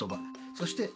そして「？」